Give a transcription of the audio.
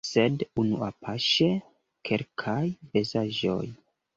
Sed unuapaŝe kelkaj bazaĵoj.